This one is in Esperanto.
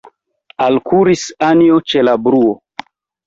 Alkuris Anjo ĉe la bruo.